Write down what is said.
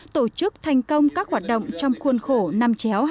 tổ chức thành công các hoạt động trong khuôn khổ năm chéo hai nghìn một mươi chín